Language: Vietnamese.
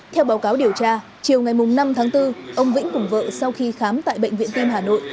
theo báo cáo điều tra chiều ngày năm tháng bốn ông vĩnh cùng vợ sau khi khám tại bệnh viện tim hà nội